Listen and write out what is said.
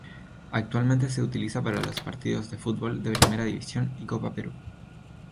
Actualmente se utiliza para los partidos de fútbol de Primera División y Copa Perú.